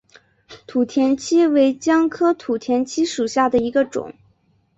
土田七为姜科土田七属下的一个种。